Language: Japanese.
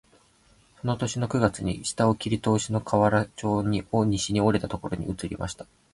その年の九月に下の切り通しの河原町を西に折れたところに移りました